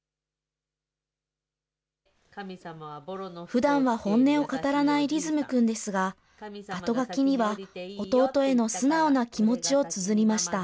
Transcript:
ふだんは本音を語らない律夢君ですが、あとがきには弟への素直な気持ちをつづりました。